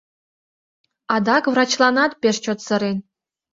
Адак врачланат пеш чот сырен.